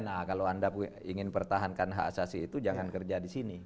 nah kalau anda ingin pertahankan hak asasi itu jangan kerja di sini